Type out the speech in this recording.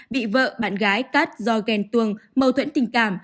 bị vợ bạn gái cát do ghen tuồng mâu thuẫn tình cảm